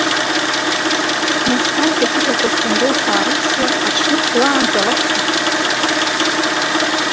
Нас уантәи ақыҭақәа снарылс-аарылсуа, аҽны хәлаанӡа уахь сынхарц сыҟан.